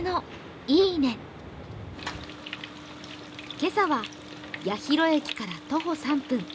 今朝は八広駅から徒歩３分。